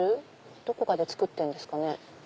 どこかで作ってるんですかね。